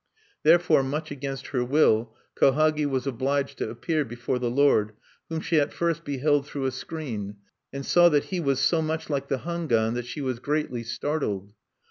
Therefore, much against her will, Kohagi was obliged to appear before the lord, whom she at first beheld through a screen, and saw that he was so much like the Hangwan that she was greatly startled.